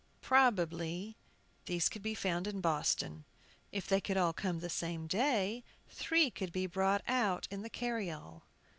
Probably these could be found in Boston. If they could all come the same day, three could be brought out in the carryall.